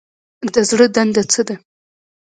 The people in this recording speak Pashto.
د زړه دنده څه ده؟